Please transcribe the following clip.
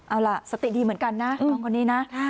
เอาล่ะสติดีเหมือนกันนะน้องคนนี้นะ